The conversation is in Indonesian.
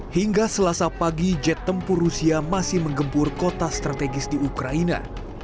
hingga selasa pagi jet tempur rusia masih menggempur kota strategis di ukraina